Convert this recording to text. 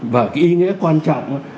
và cái ý nghĩa quan trọng